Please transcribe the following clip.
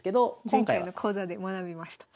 前回の講座で学びました。